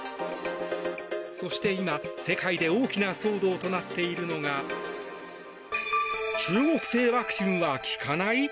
そして今、世界で大きな騒動となっているのが中国製ワクチンは効かない？